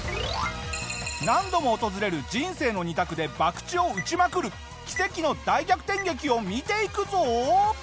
何度も訪れる人生の２択でばくちを打ちまくる奇跡の大逆転劇を見ていくぞ！